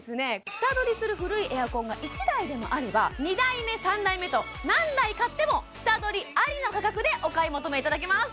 下取りする古いエアコンが１台でもあれば２台目３台目と何台買っても下取りありの価格でお買い求めいただけます